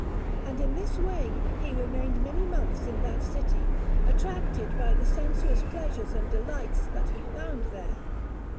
And in this way he remained many months in that city, attracted by the sensuous pleasures and delights that he found there.